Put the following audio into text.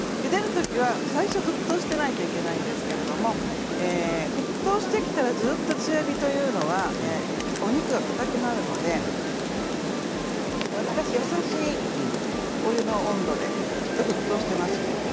最初、沸騰していないといけないんですけれど沸騰してきたらずっと強火というのはお肉がかたくなるのでわりかし優しいお湯の温度で。ちょっと沸騰していますね。